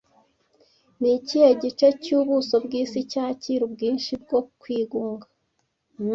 Niki gice cyubuso bwisi cyakira ubwinshi bwokwigunga